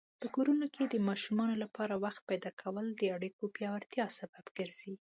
په کورنۍ کې د ماشومانو لپاره وخت پیدا کول د اړیکو پیاوړتیا سبب ګرځي.